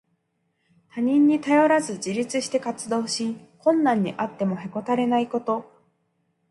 他人に頼らず自立して活動し、困難にあってもへこたれないこと。